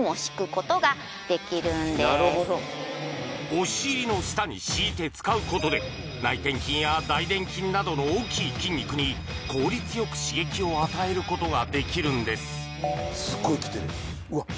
お尻の下に敷いて使うことで内転筋や大殿筋などの大きい筋肉に効率よく刺激を与えることができるんですすっごいきてるうわっ